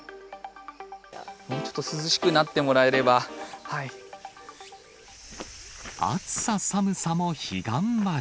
もうちょっと涼しくなっても暑さ寒さも彼岸まで。